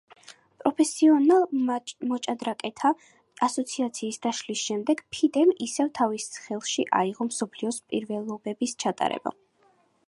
პროფესიონალ მოჭადრაკეთა ასოციაციის დაშლის შემდეგ ფიდემ ისევ თავის ხელში აიღო მსოფლიოს პირველობების ჩატარება.